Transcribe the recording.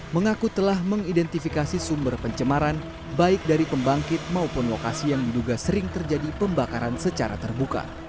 mengaku telah mengidentifikasi sumber pencemaran baik dari pembangkit maupun lokasi yang diduga sering terjadi pembakaran secara terbuka